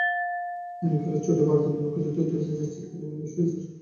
অ্যাঙ্কেলের চোটে ভারতের বিপক্ষে চতুর্থ টেস্ট থেকে ছিটকে গেলেন ইংলিশ পেসার।